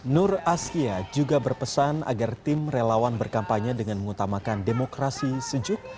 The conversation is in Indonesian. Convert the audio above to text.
nur asia juga berpesan agar tim relawan berkampanye dengan mengutamakan demokrasi sejuk